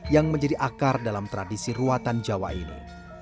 yang menjadi akar dalam tradisi ruatan jawa ini